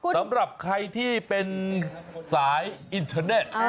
สำหรับใครที่เป็นสายอินเทอร์เน็ต